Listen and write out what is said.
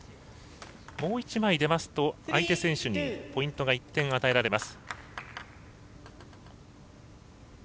もう１枚出ますと相手選手にポイントが１点与えられます。